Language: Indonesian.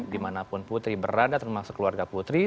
dimanapun putri berada termasuk keluarga putri